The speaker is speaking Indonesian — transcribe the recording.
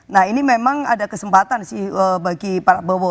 nah ini memang ada kesempatan sih bagi pak prabowo